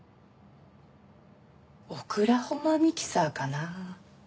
オクラホマミキサーかなあ。